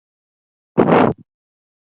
ملتونه خپلې هېلې د باور له لارې تحقق کوي.